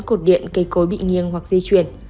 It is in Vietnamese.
cột điện cây cối bị nghiêng hoặc di chuyển